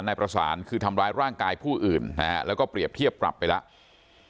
นายประสานคือทำร้ายร่างกายผู้อื่นนะฮะแล้วก็เปรียบเทียบปรับไปแล้ว